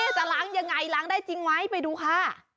จะล้างยังไงล้างได้จริงไหมไปดูค่ะ